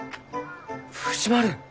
藤丸！